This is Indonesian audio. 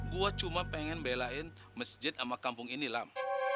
gue cuma pengen belain masjid sama kampung ini lam